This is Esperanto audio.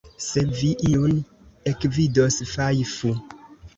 Se vi iun ekvidos, fajfu!